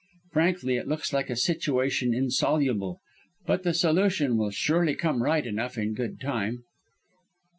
Frankly, it looks like a situation insoluble; but the solution will surely come right enough in good time.